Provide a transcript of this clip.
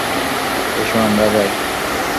এসো আমরা যাই।